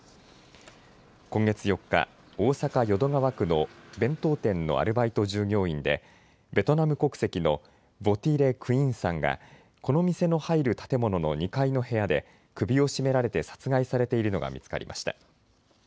今月４日、大阪淀川区の弁当店のアルバイト従業員でベトナム国籍のヴォ・ティ・レ・クインさんが、この店の入る建物の２階の部屋で首を絞められて殺害されているのが見つかりました。